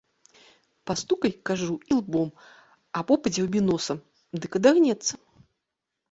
Пастукай, кажу, ілбом або падзяўбі носам, дык адагнецца.